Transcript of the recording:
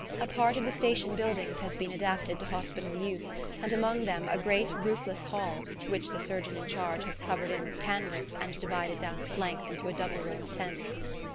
A part of the station buildings has been adapted to hospital use, and among them a great roofless hall, which the surgeon in charge has covered in with canvas and divided down its length into a double row of tents.